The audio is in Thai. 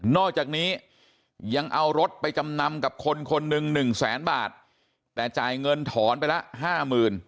อกจากนี้ยังเอารถไปจำนำกับคนคนหนึ่งหนึ่งแสนบาทแต่จ่ายเงินถอนไปละห้าหมื่น